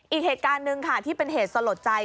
อีกเหตุการณ์หนึ่งค่ะที่เป็นเหตุสลดใจ